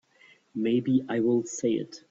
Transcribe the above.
Maybe I will say it.